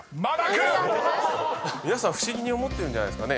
皆さん不思議に思ってるんじゃないですかね。